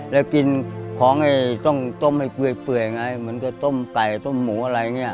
แล้วกินของไอ้ต้องต้มให้เปื่อยไงเหมือนกับต้มไก่ต้มหมูอะไรอย่างนี้